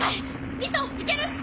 ミト行ける？